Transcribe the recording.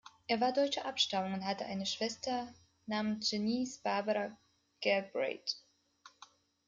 Er war deutscher Abstammung und hatte eine Schwester namens Janice Barbara Galbraith.